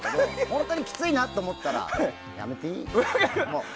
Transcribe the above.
本当にきついなと思ったらやめていい。